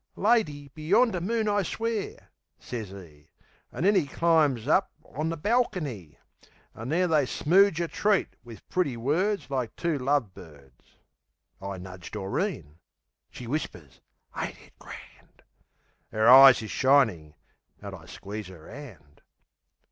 "Lady, be yonder moon I swear!" sez 'e. An' then 'e climbs up on the balkiney; An' there they smooge a treat, wiv pretty words Like two love birds. I nudge Doreen. She whispers, "Ain't it grand!" 'Er eyes is shinin'; an' I squeeze 'er 'and.